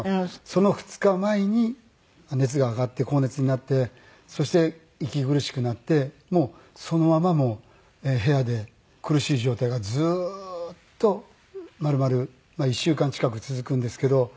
その２日前に熱が上がって高熱になってそして息苦しくなってそのままもう部屋で苦しい状態がずーっと丸々１週間近く続くんですけど。